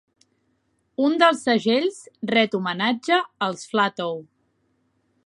Un dels segells ret homenatge als Flatow.